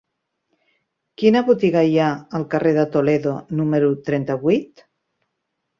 Quina botiga hi ha al carrer de Toledo número trenta-vuit?